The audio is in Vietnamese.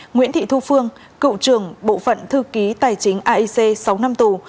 nguyễn thị thu phương cựu trưởng bộ phận thư ký tài chính aic sáu năm tù